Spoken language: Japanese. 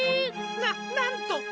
ななんと！